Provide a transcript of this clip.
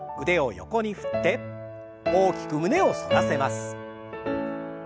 腕を横に振って大きく胸を反らせます。